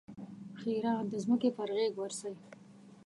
ښېرا: د ځمکې پر غېږ ورسئ!